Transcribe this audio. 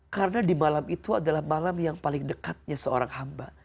karena di malam itu adalah malam yang paling dekatnya seorang hamba